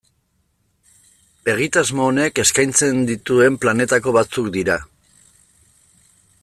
Egitasmo honek eskaintzen dituen planetako batzuk dira.